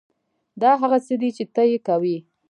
دا هغه څه دي چې ته یې کوې